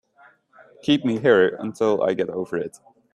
Keep me here until I get over it.